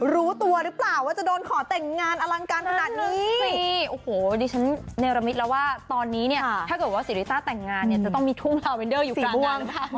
แล้วว่าตอนนี้เนี่ยถ้าเกิดว่าศิลิซ่าแต่งงานเนี่ยจะต้องมีทุ่มลาวเมนเดอร์อยู่กลางนั้น